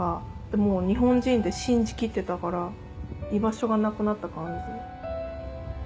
もう日本人って信じ切ってたから居場所がなくなった感じ。